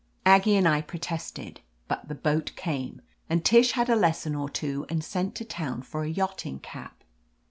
Aggie and I protested, but the boat came, and Tish had a lesson or two and sent to town for a yachting cap.